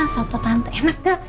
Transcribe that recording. soto tante enak gak